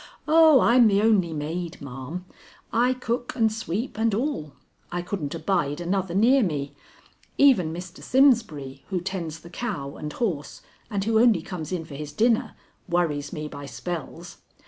"Oh, I'm the only maid, ma'am. I cook and sweep and all. I couldn't abide another near me. Even Mr. Simsbury, who tends the cow and horse and who only comes in for his dinner, worries me by spells.